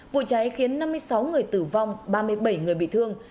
vụ cháy khiến năm mươi sáu người tử vong ba mươi bảy người bị thương